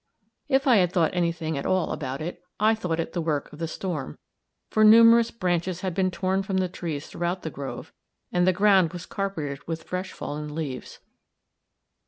If I thought any thing at all about it, I thought it the work of the storm, for numerous branches had been torn from the trees throughout the grove, and the ground was carpeted with fresh fallen leaves.